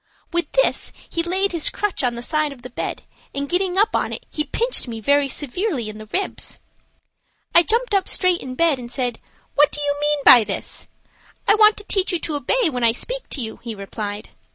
With this he laid his crutch on the side of the bed, and, getting up on it, he pinched me very severely in the ribs. I jumped up straight in bed, and said: 'What do you mean by this?' 'I want to teach you to obey when I speak to you,' he replied.